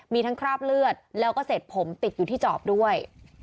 มีทั้งคราบเลือดแล้วก็เศษผมติดอยู่ที่จอบด้วย